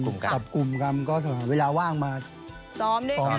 กลับกลุ่มกันก็สำหรับเวลาว่างมาซ้อมด้วยกัน